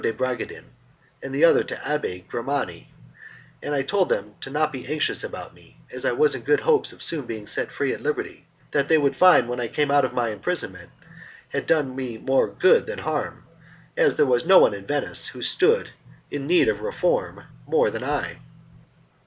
de Bragadin and the other to the Abbé Grimani, and I told them not to be anxious about me as I was in good hopes of soon being set at liberty, that they would find when I came out that my imprisonment had done me more good than harm, as there was no one in Venice who stood in need of reform more than I.